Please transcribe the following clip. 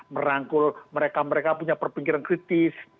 merangkul mereka mereka punya perpikiran kritis